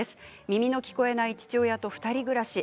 耳の聞こえない父親と２人暮らし。